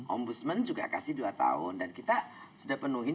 ombudsman juga kasih dua tahun dan kita sudah penuhi